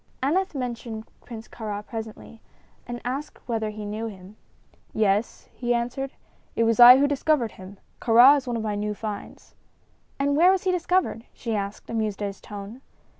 Aneth mentioned Prince Kāra presently, and asked whether he knew him. "Yes," he answered; "it was I who discovered him. Kāra is one of my few finds." "And where was he discovered?" she asked, amused at his tone.